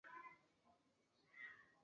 首府科恰班巴。